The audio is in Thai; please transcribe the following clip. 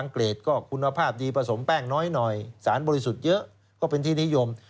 เกรดก็คุณภาพดีผสมแป้งน้อยหน่อยสารบริสุทธิ์เยอะก็เป็นที่นิยม